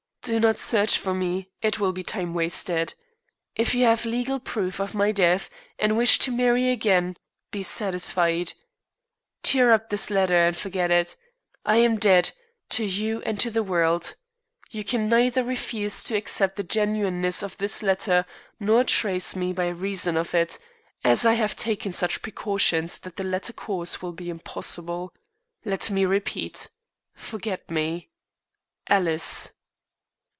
Do not search for me; it will be time wasted. If you have legal proof of my death and wish to marry again, be satisfied. Tear up this letter and forget it. I am dead to you and to the world. You can neither refuse to accept the genuineness of this letter nor trace me by reason of it, as I have taken such precautions that the latter course will be impossible. Let me repeat forget me. "ALICE."